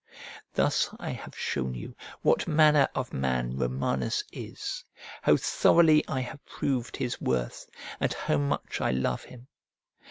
Thus I have shown you what manner of man Romanus is, how thoroughly I have proved his worth, and how much I love him.